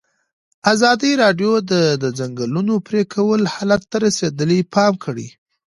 ازادي راډیو د د ځنګلونو پرېکول حالت ته رسېدلي پام کړی.